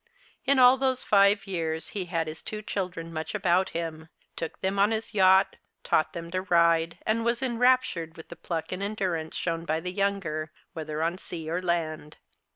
In all those five years he had his two children much about him, took them on his yacht, taught them to ride, and was enraptured with the pluck and the endurance shown by the younger, whether on sea or land.